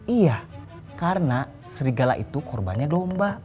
iya karena serigala itu korbannya domba